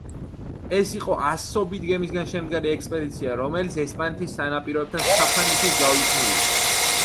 ეს იყო ასობით გემისგან შემდგარი ექსპედიცია, რომელიც ესპანეთის სანაპიროებთან საფრანგეთის გავლით მივიდა.